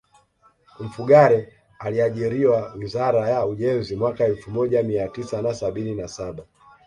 Mfugale aliajiriwa wizara ya ujenzi mwaka elfu moja mia tisa na sabini na saba